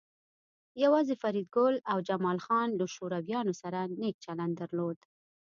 یوازې فریدګل او جمال خان له شورویانو سره نیک چلند درلود